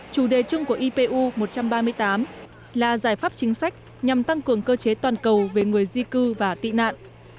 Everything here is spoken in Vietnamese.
chủ đề chung của ipu một trăm ba mươi tám là giải pháp chính sách nhằm tăng cường cơ chế toàn cầu về người di cư và tị nạn